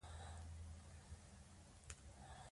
ځینې ایرانیان دا مثبت بولي.